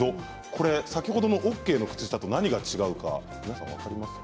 先ほどのＯＫの靴下と何が違うか分かりますか。